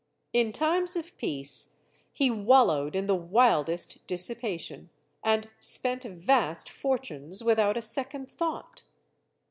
In times of peace he wallowed in the wildest dissipation, and spent vast fortunes without a second thought.